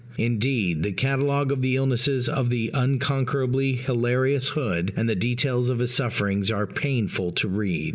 Indeed, the catalogue of the illnesses of the unconquerably hilarious Hood, and the details of his sufferings, are painful to read.